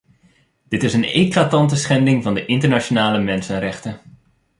Dit is een eclatante schending van de internationale mensenrechten.